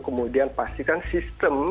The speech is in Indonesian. kemudian pastikan sistem